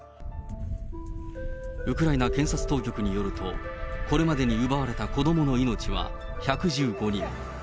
ウクライナ検察当局によると、これまでに奪われた子どもの命は１１５人。